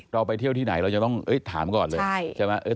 เราไปเที่ยวที่ไหนเราจะต้องถามก่อนเลย